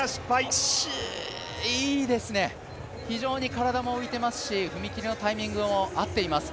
惜しい、いいですね、非常に体も浮いていますし、踏み切りのタイミングも合っています。